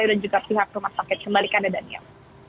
dan juga pihak rumah sakit kembalikan ya daniel